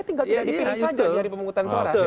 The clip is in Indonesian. tinggal dipilih saja dari pemungutan suara